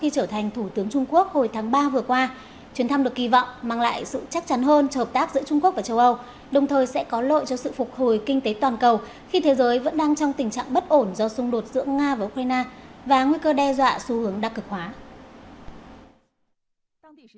chuyến thăm được kỳ vọng mang lại sự chắc chắn hơn cho hợp tác giữa trung quốc và châu âu đồng thời sẽ có lội cho sự phục hồi kinh tế toàn cầu khi thế giới vẫn đang trong tình trạng bất ổn do xung đột giữa nga và ukraine và nguy cơ đe dọa xu hướng đặc cực hóa